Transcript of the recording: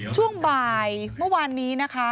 ช่วงบ่ายเมื่อวานนี้